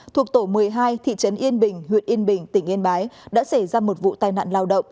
thuộc tổ một mươi hai thị trấn yên bình huyện yên bình tỉnh yên bái đã xảy ra một vụ tai nạn lao động